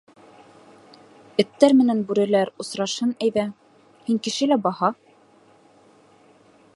Эттәр менән бүреләр осрашһын әйҙә. һин кеше лә баһа.